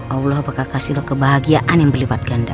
allah bakal kasih lo kebahagiaan yang berlipat ganda